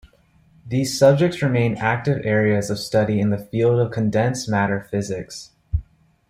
These subjects remain active areas of study in the field of condensed matter physics.